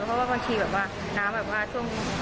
คือห้องเครื่องเปิดประตูอยู่